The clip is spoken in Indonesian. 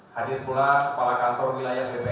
kemudian juga ada para kepala kantor wilayah bpn jawa timur